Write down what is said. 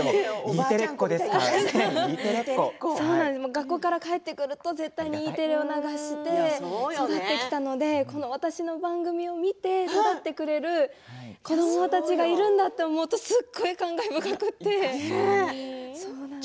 学校から帰ってくると絶対にＥテレを流して子どもたちの番組を見入ってこの番組を見て育ってくれている子どもたちがいるんだと思うとすごい感慨深いです。